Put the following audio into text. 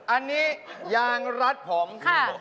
อันนี้ยางรัดผม